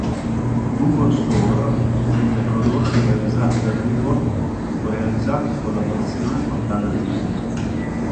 Google store vende prodotti realizzati da Google o realizzati in collaborazione con tale azienda.